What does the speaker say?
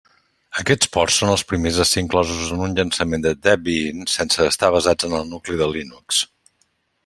Aquests ports són els primers a ser inclosos en un llançament de Debian sense estar basats en el nucli de Linux.